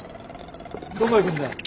どこ行くんだよ？